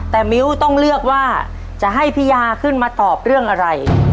แต่มิ้วต้องเลือกว่าจะให้พี่ยาขึ้นมาตอบเรื่องอะไร